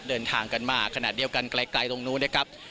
เดินทางกันมาขณะเดียวกันไกลตรงนู้นนะครับ